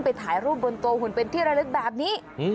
ถ่ายรูปบนตัวหุ่นเป็นที่ระลึกแบบนี้